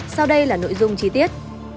sau đây là nội dung chi tiết